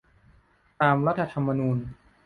ตามรัฐธรรมนูญ